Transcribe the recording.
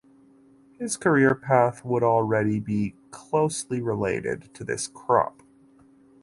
His career path would already be closely related to this crop.